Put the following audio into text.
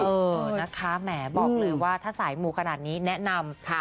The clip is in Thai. เออนะคะแหมบอกเลยว่าถ้าสายมูขนาดนี้แนะนำ